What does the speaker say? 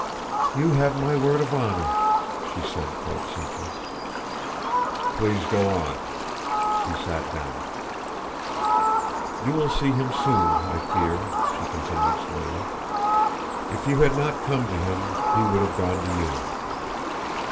"You have my word of honor," she said quite simply. "Please go on." He sat down. "You will see him too soon, I fear," she continued slowly. "If you had not come to him he would have gone to you."